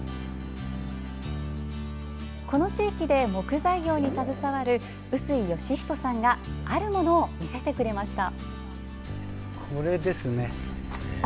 この地域で木材業に携わる臼井義人さんがあるものを見せてくれました。